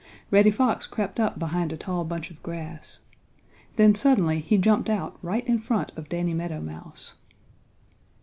Reddy Fox crept up behind a tall bunch of grass. Then suddenly he jumped out right in front of Danny Meadow Mouse.